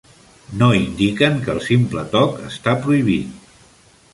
No indiquen que el simple toc està prohibit.